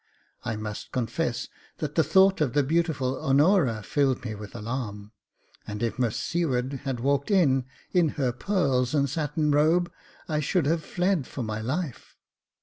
I must confess that the thought of the beautiful Honora filled me with alarm, and if Miss Seward had walked in in her pearls and satin robe I should have fled for my life.